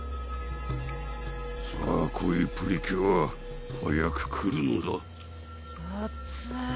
さぁ来いプリキュア早く来るのだあっつ！